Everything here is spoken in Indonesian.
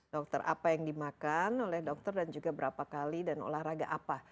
dokter apa yang dimakan oleh dokter dan juga berapa kali dan olahraga apa